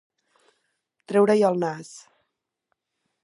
Treure-hi el nas.